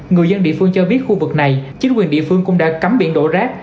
người dân địa phương cho biết khu vực này chính quyền địa phương cũng đã cấm biển đổ rác